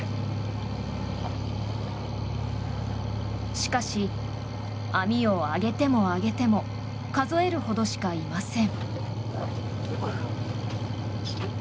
しかし、網を上げても上げても数えるほどしかいません。